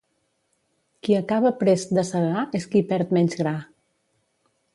Qui acaba prest de segar és qui perd menys gra.